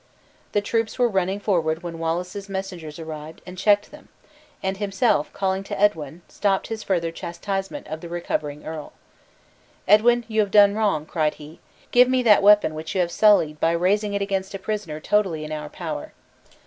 The troops were running forward when Wallace's messengers arrived and checked them, and himself, calling to Edwin, stopped his further chastisement of the recovering earl. "Edwin, you have done wrong," cried he; "give me that weapon which you have sullied by raising it against a prisoner totally in our power."